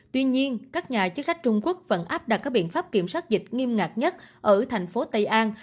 tuy nhiên các nhà chức trách trung quốc vẫn áp đặt các biện pháp kiểm soát dịch nghiêm ngặt nhất ở thành phố tây an